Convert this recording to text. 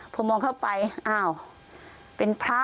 พอมองเข้าไปอ้าวเป็นพระ